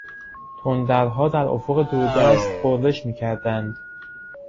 تندرها در افق دوردست غرش میکردند.